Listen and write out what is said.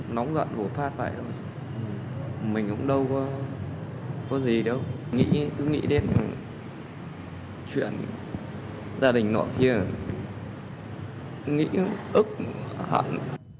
nóng giận vô phát vậy thôi mình cũng đâu có gì đâu nghĩ cứ nghĩ đến chuyện gia đình ngoại kia nghĩ ức hẳn